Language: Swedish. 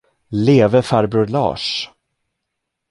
Leve farbror Lars!